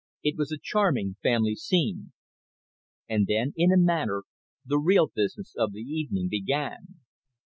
It was a charming family scene. And then, in a manner, the real business of the evening began.